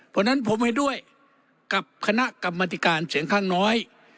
เพราะฉะนั้นผมเห็นด้วยกับคณะกรรมธิการเสียงข้างน้อย